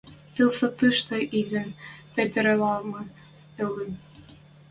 Тылсотышты изин пӹтӹрӓлмӹ ыльы.